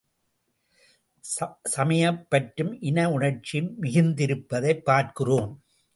சமயப்பற்றும், இன உணர்ச்சியும் மிகுந்திருப்பதைப் பார்க்கிறோம்.